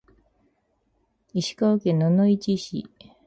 石川県野々市市